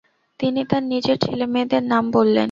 তিনি তাঁর নিজের ছেলেমেয়েদের নাম বললেন।